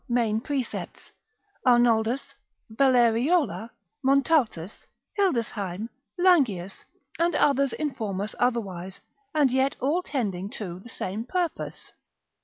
main precepts, Arnoldus, Valleriola, Montaltus, Hildesheim, Langius, and others inform us otherwise, and yet all tending to, the same purpose.